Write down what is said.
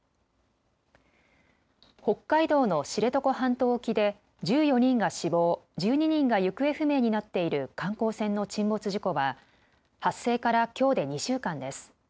北海道の知床半島沖で１４人が死亡、１２人が行方不明になっている観光船の沈没事故は発生からきょうで２週間です。